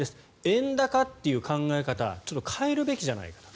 円高という考え方をちょっと変えるべきじゃないかと。